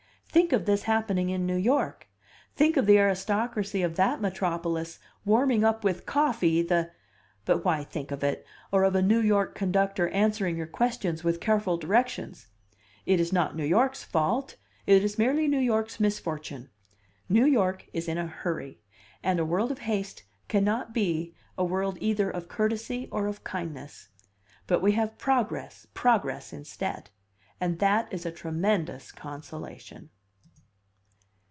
Think of this happening in New York! Think of the aristocracy of that metropolis warming up with coffee the but why think of it, or of a New York conductor answering your questions with careful directions! It is not New York's fault, it is merely New York's misfortune: New York is in a hurry; and a world of haste cannot be a world either of courtesy or of kindness. But we have progress, progress, instead; and that is a tremendous consolation.